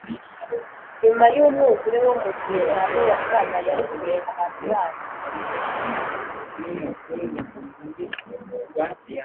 Nyuma y Umwuzure wo mu gihe cya Nowa Imana yarokoye abantu bayo